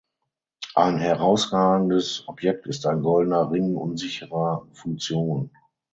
Ein herausragendes Objekt ist ein goldener Ring unsicherer Funktion.